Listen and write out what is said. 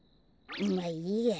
まあいいや。